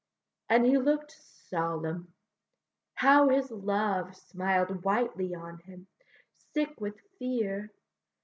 And he look'd solemn; how his love Smiled whitely on him, sick with fear!